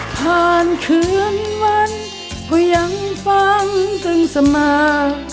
คืนวันก็ยังฟังถึงสมา